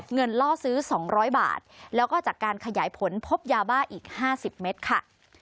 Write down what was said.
ล่อซื้อ๒๐๐บาทแล้วก็จากการขยายผลพบยาบ้าอีก๕๐เมตรค่ะ